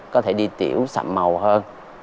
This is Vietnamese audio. có thể đi tiểu sậm màu hơn